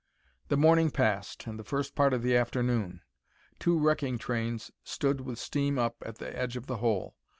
The morning passed, and the first part of the afternoon. Two wrecking trains stood with steam up at the edge of the hole.